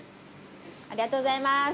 ありがとうございます。